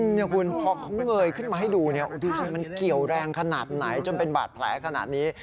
นี่คุณพอเขาเงยขึ้นมาให้ดูเนี่ยดูสิมันเกี่ยวแรงขนาดไหนจนเป็นบาดแผลขนาดนี้